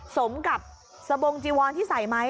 สมกับสบงจีวอนที่ใส่ไหม